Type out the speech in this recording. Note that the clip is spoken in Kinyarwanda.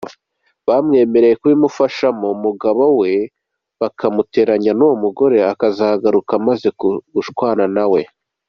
Banyemereye no kubimufashamo umugabo we bakamuteranya n’uwo mugore akazangarukira amaze gushwana na we.